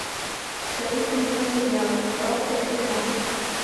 Строительный материал: рок да чодыра.